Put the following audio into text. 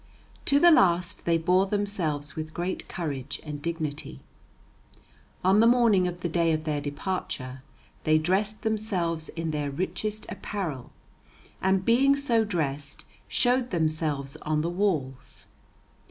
To the last they bore themselves with great courage and dignity. On the morning of the day of their departure they dressed themselves in their richest apparel, and being so drest showed themselves on the walls.